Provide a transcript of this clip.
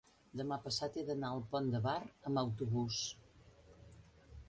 demà passat he d'anar al Pont de Bar amb autobús.